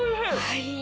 はい。